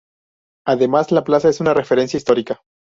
Además, la plaza es una referencia histórica.